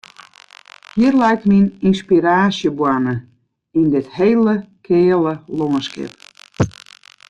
Hjir leit myn ynspiraasjeboarne, yn dit hele keale lânskip.